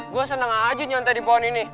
gue seneng aja nyontek di pohon ini